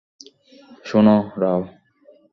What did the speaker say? শোন, রাও।